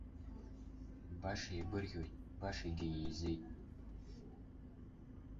Баша игәырӷьоит, башагьы еизеит!